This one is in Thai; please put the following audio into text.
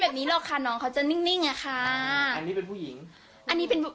แบบนี้หรอกค่ะน้องเขาจะนิ่งนิ่งอ่ะค่ะอันนี้เป็นผู้หญิงอันนี้เป็น